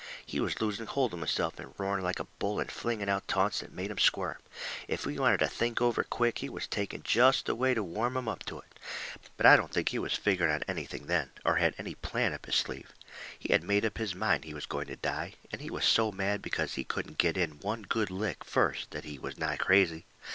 He was losing hold of himself, and roaring like a bull and flinging out taunts that made 'em squirm. If he wanted the thing over quick, he was taking jest the way to warm 'em up to it. But I don't think he was figgering on anything then, or had any plan up his sleeve. He had made up his mind he was going to die, and he was so mad because he couldn't get in one good lick first that he was nigh crazy.